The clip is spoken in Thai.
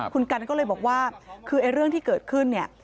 คุณกันก็เลยบอกว่าคือเรื่องที่เกิดขึ้นเนี่ย